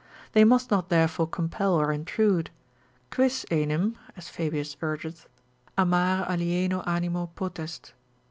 They must not therefore compel or intrude; quis enim (as Fabius urgeth) amare alieno animo potest?